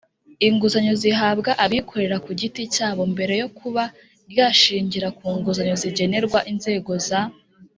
inguzanyo zihabwa abikorera ku giti cyabo mbere yo kuba ryashingira ku nguzanyo zigenerwa inzego za